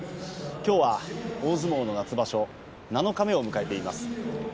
きょうは大相撲の夏場所七日目を迎えています。